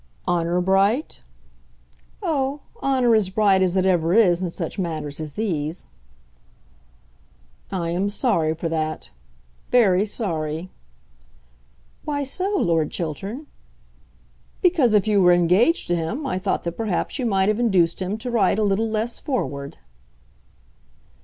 "Honour bright?" "Oh, honour as bright as it ever is in such matters as these." "I am sorry for that, very sorry." "Why so, Lord Chiltern?" "Because if you were engaged to him I thought that perhaps you might have induced him to ride a little less forward."